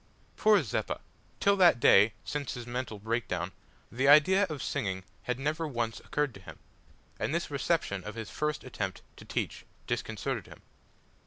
Poor Zeppa! till that day, since his mental break down, the idea of singing had never once occurred to him, and this reception of his first attempt to teach disconcerted him.